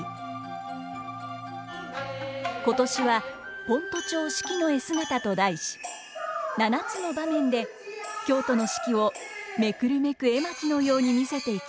今年は「先斗町四季絵姿」と題し７つの場面で京都の四季を目くるめく絵巻のように見せていきます。